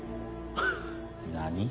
何？